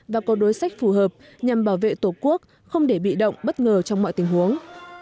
và có đối sách phù hợp nhằm bảo vệ tổ quốc không để bị động bất ngờ trong mọi tình huống